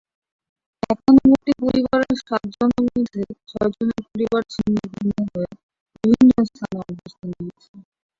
একান্নবতী পরিবারের সাতজনের মধ্যে ছয়জনের পরিবার ছিন্নভিন্ন হয়ে বিভিন্ন স্থানে অবস্থান নিয়েছে।